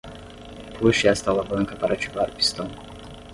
Puxe esta alavanca para ativar o pistão.